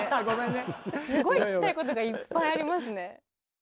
すごい聞きたいことがいっぱいありますね。